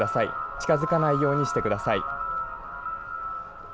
近づかないようにしてください。